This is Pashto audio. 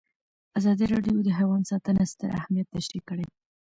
ازادي راډیو د حیوان ساتنه ستر اهميت تشریح کړی.